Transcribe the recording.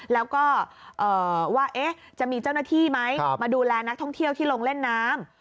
แล้วก็ว่าจะมีเจ้าหน้าที่ไหมมาดูแลนักท่องเที่ยวที่ลงเล่นน้ำ